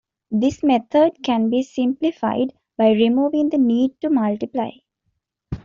This method can be simplified by removing the need to multiply.